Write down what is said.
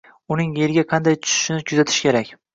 Uning yerga qanday tushishini kuzatish kerak